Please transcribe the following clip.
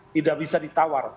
tidak bisa ditawar